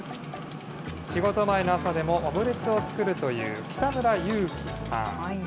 仕事前の朝でもオムレツを作るという北村雄樹さん。